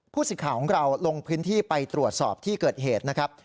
สิทธิ์ข่าวของเราลงพื้นที่ไปตรวจสอบที่เกิดเหตุนะครับ